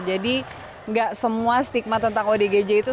jadi engga semua stigma tentang odgj itu selalu miss